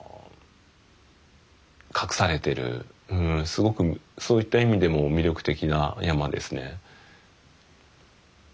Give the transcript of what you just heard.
すごくそういった意味でも魅力的な山ですね。